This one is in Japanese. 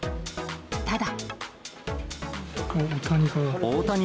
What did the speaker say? ただ。